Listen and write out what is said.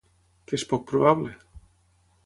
Què és poc probable?